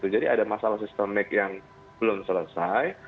jadi ada masalah sistemik yang belum selesai